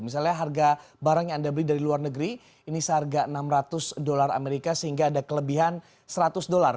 misalnya harga barang yang anda beli dari luar negeri ini seharga enam ratus dolar amerika sehingga ada kelebihan seratus dolar